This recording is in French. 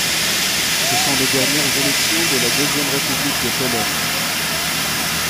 Ce sont les dernières élections de la Deuxième République de Pologne.